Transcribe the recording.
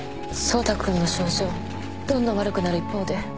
走太君の症状どんどん悪くなる一方で